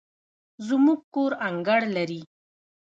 زموږ کور انګړ لري